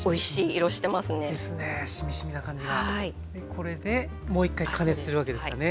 これでもう一回加熱するわけですかね